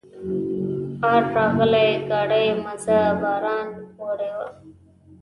آر راغلي ګاډي مزه باران وړې وه.